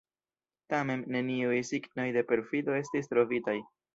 Tamen, neniuj signoj de perfido estis trovitaj.